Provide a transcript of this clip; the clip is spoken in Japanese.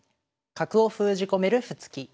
「角を封じ込める歩突き」。